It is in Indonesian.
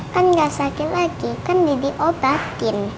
kan gak sakit lagi kan didiobatin